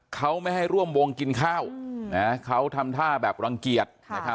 เขาไม่ให้ร่วมวงกินข้าวเขาทำท่าแบบรังเกียจ